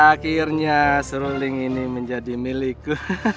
akhirnya seruling ini menjadi milikku